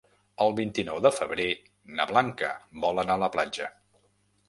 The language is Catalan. El vint-i-nou de febrer na Blanca vol anar a la platja.